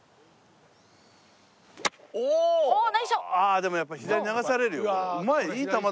でもやっぱ左に流されるよこれ。